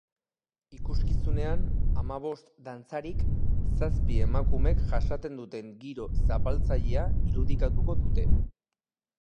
Ikuskizunean, hamabost dantzarik zazpi emakumek jasaten duten giro zapaltzailea irudikatuko dute.